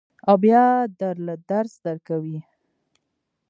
او بیا در له درس درکوي.